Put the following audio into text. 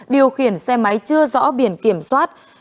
điều khiển xe máy chưa rõ biển kiểm soát